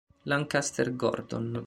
Lancaster Gordon